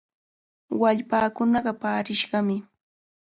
Wallpaakunaqa paarishqami.